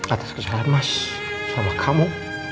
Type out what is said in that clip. atas kesalahan mas sama kamu